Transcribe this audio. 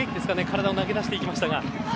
体を投げ出していきましたが。